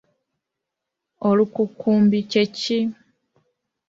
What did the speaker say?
Olukukumbi kye ki?